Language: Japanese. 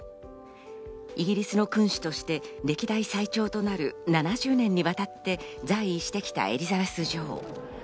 イギリスの君主として歴代最長となる７０年にわたって在位してきたエリザベス女王。